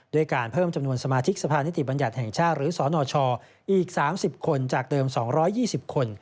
การเพิ่มจำนวนสมาธิกสภานิติบัญญัติแห่งชาติหรือสนชอีก๓๐คนจากเดิม๒๒๐คน